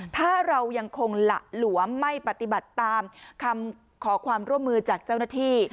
ถ้าเรายังคงหละหลวมไม่ปฏิบัติตามคำขอความร่วมมือจากเจ้าหน้าที่